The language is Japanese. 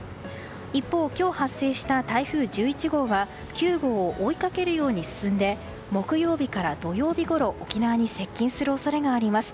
一方、今日発生した台風１１号は９号を追いかけるように進んで木曜日から土曜日ごろ沖縄に接近する恐れがあります。